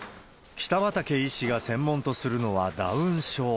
北畠医師が専門とするのはダウン症。